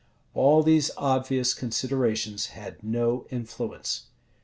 All these obvious considerations had no influence.